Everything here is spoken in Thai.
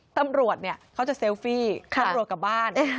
ตำรวจเนี่ยเขาจะเซลฟี่ตำรวจกลับบ้าน